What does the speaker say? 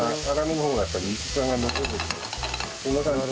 こんな感じで。